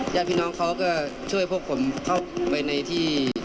ญาติพี่น้องเขาก็ช่วยพวกผมเข้าไปในที่